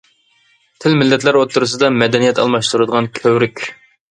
تىل مىللەتلەر ئوتتۇرىسىدا مەدەنىيەت ئالماشتۇرىدىغان كۆۋرۈك.